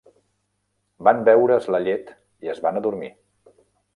Van beure's la llet i es van adormir.